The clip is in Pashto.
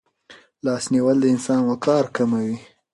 لاس نیول د انسان وقار کموي.